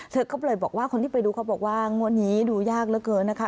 เขาเลยบอกว่าเขาบอกว่างวดนี้ดูยากเกินนะคะ